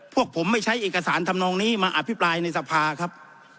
พวกผมไม่ใช้เอกสารทำนองนี้มาอภิปรายในสภาครับ